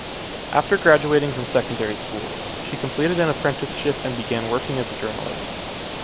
After graduating from secondary school, she completed an apprenticeship and began working as a journalist.